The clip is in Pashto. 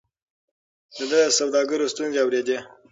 ده د سوداګرو ستونزې اورېدې.